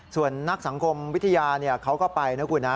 ส่วนนักสังคมวิทยาเขาก็ไปนะคุณนะ